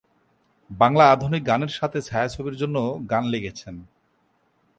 বাংলা আধুনিক গানের সাথে ছায়াছবির জন্যও গান লিখেছেন।